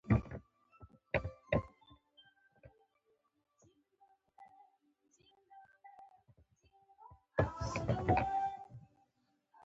د دیوالونو څخه بهر په عصري سیمو کې ژوند کوي.